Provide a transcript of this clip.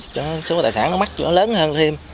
cho số tài sản nó mắc nó lớn hơn thêm